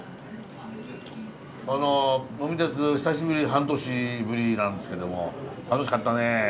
この「呑み鉄」久しぶり半年ぶりなんですけども楽しかったね。